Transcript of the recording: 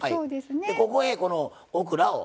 ここへこのオクラを。